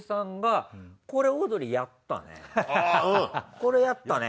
これやったね。